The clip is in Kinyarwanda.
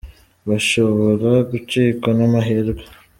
bashobora gucikwa n'amahirwe.